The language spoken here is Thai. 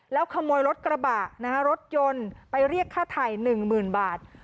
แล้วขโมยรถกระบะรถยนต์ไปเรียกค่าไถ่หนึ่งหมื่นบาท